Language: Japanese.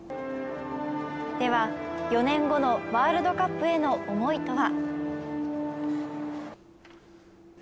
では４年後のワールドカップへの思いとは。